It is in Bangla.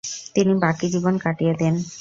তিনি বাকী জীবন কাটিয়ে দেন।